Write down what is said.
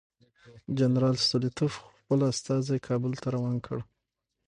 جنرال ستولیتوف خپل استازی کابل ته روان کړ.